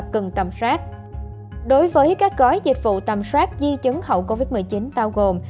các gói dịch vụ tầm soát di chứng hậu covid một mươi chín bao gồm